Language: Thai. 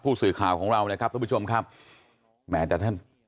ผู้สื่อข่าวของเรานะครับทุกผู้ชมครับแหมแต่ท่าน